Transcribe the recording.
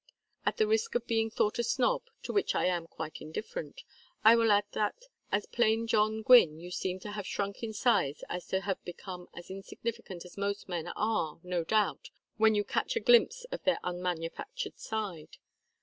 At the risk of being thought a snob to which I am quite indifferent I will add that as plain John Gwynne you seem to have so shrunk in size as to have become as insignificant as most men are, no doubt, when you catch a glimpse of their unmanufactured side.